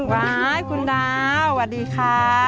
ว้ายคุณดาวสวัสดีค่ะ